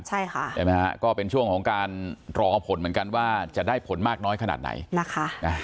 ใช่ค่ะใช่ไหมฮะก็เป็นช่วงของการรอผลเหมือนกันว่าจะได้ผลมากน้อยขนาดไหนนะคะ